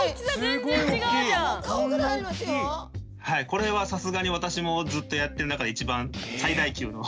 これはさすがに私もずっとやってる中で一番最大級の。